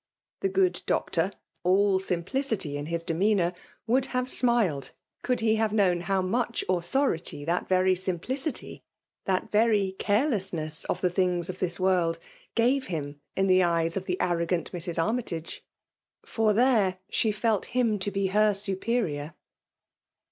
The good Doctor, all i^implteky in his demeanour, would have smiled could he have known how much authority that very simplicity, that very carelessness of the things of this world, g^ve him in the eyes of the arro gant Mrs. Armytage ;— for there, she felt him to be her superior.